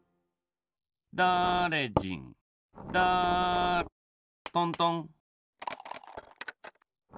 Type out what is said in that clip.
だれじんだとんとん。